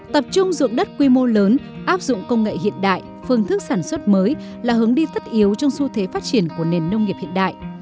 tập trung dụng đất quy mô lớn áp dụng công nghệ hiện đại phương thức sản xuất mới là hướng đi tất yếu trong xu thế phát triển của nền nông nghiệp hiện đại